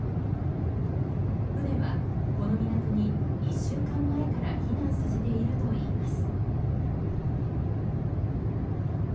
船は、この港に１週間前から避難させているといいます。